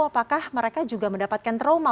apakah mereka juga mendapatkan trauma